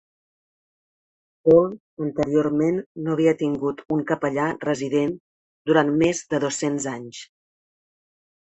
Bole anteriorment no havia tingut un capellà resident durant més de dos-cents anys.